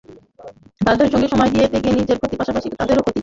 তাদের সঙ্গে সময় দিতে গিয়ে নিজের অনেক ক্ষতির পাশাপাশি তাদেরও ক্ষতি করছি।